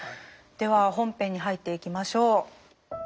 では本編に入っていきましょう。